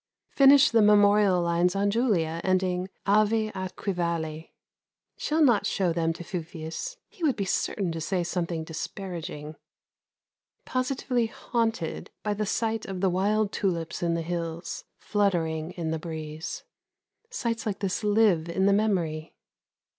Finished the memorial lines on Julia ending "Ave atque Vale." Shall not show them to Fufius. He would be certain to say something disparaging. Positively haunted by the sight of the wild tulips in the hills, fluttering in the breeze. Sights like this live in the memory.